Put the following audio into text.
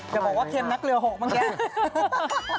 จะบอกว่าเค็มนักเรือหกเมื่อกี้